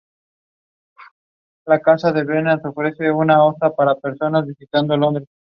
Esporangios de pie corto y grueso.